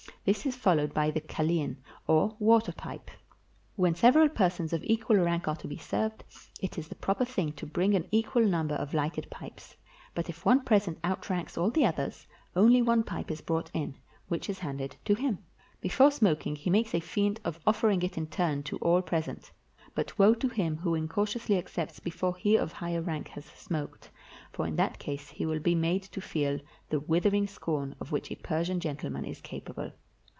This is followed by the kalean, or water pipe. When several persons of equal rank are to be served, it is the proper thing to bring an equal number of lighted pipes; but if one present outranks all the others, only one pipe is brought in, which is handed to him. Before smoking, he makes a feint of offering it in turn to all present; but woe to him who incautiously accepts before he of higher rank has smoked, for in that case he will be made to feel the withering scorn of which a Persian gentleman is capable.